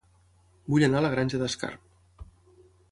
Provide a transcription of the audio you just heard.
Vull anar a La Granja d'Escarp